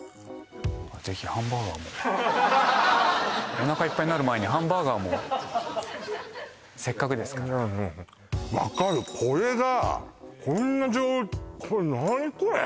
おなかいっぱいになる前にハンバーガーもせっかくですから分かるこれがこんなこれ何これ？